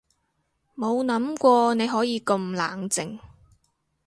冇諗過你可以咁冷靜